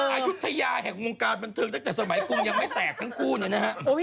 อายุทยาแห่งวงการบันเทิงตั้งแต่สมัยกรุงยังไม่แตกทั้งคู่เลยนะฮะ